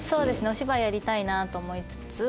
お芝居やりたいなと思いつつ。